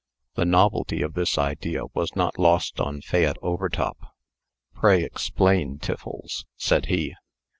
The novelty of this idea was not lost on Fayette Overtop. "Pray explain, Tiffles," said he.